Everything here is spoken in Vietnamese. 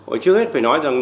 ở trước hết phải nói rằng